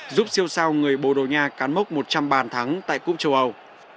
giúp siêu sao người bồ đồ nhà cán mốc một trăm linh bàn thắng tại cúp châu âu